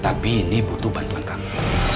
tapi ini butuh bantuan kami